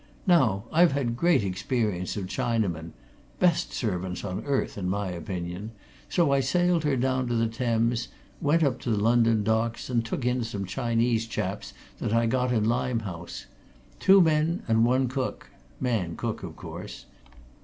Now, I've had great experience of Chinamen best servants on earth, in my opinion so I sailed her down to the Thames, went up to London Docks, and took in some Chinese chaps that I got in Limehouse. Two men and one cook man cook, of course.